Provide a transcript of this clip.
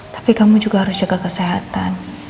tapi kamu juga harus jaga kesehatan